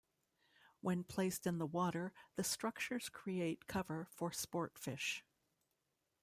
When placed in the water, the structures create cover for sport fish.